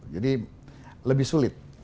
jadi lebih sulit